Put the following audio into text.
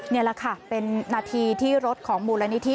นี่แหละค่ะเป็นนาทีที่รถของมูลนิธิ